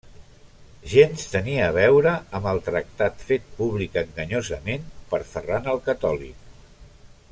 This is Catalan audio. Gens tenia a veure amb el tractat fet públic enganyosament per Ferran el Catòlic.